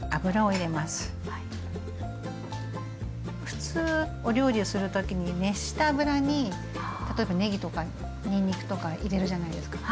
普通お料理をする時に熱した油に例えばねぎとかにんにくとか入れるじゃないですか。